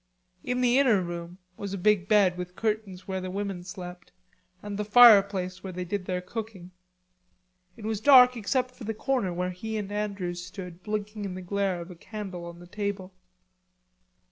In the inner room was a big bed with curtains where the women slept, and the fireplace where they did their cooking. It was dark except for the corner where he and Andrews stood blinking in the glare of a candle on the table.